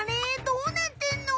どうなってんの？